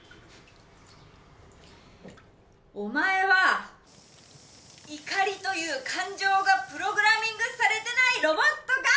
お前は怒りという感情がプログラミングされてないロボットか！